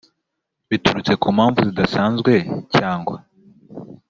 biturutse ku mpamvu zidasanzwe cyangwa